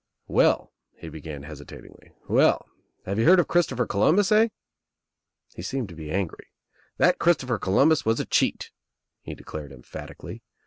"Well," he began hesitatingly, "well, you have heard of Christopher Columbus, eh?" He seemed to be angry. "That Christopher Columbus was a cheat," he declared emphatically.